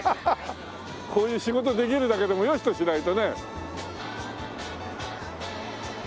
こういう仕事できるだけでもよしとしないとね。